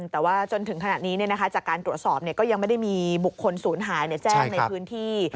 แต่ว่าจนถึงขณะนี้จากการตรวจสอบก็ยังไม่ได้มีบุคคลศูนย์หายแจ้งในพื้นที่